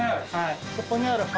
そこにある。